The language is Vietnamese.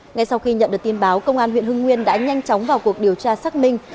ngay sau khi nhận được tin báo công an huyện hưng nguyên đã nhanh chóng vào cuộc điều tra xác minh